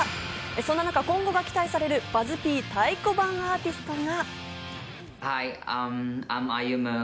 そんな中、今後に期待される太鼓判アーティストが。